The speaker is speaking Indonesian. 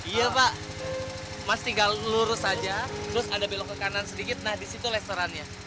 iya pak mas tinggal lurus saja terus ada belok ke kanan sedikit nah disitu restorannya